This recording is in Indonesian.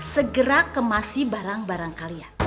segera kemasi barang barang kalian